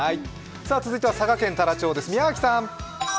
続いては佐賀県太良町です、宮脇さん。